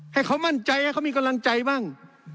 ให้เขามั่นใจให้เขามีกำลังใจบ้าง